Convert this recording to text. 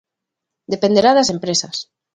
Dependerá das empresas.